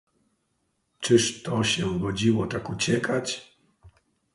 "czyż to się godziło tak uciekać!"